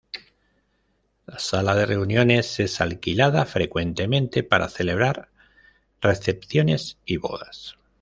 La sala de reuniones es alquilada frecuentemente para celebrar recepciones y bodas.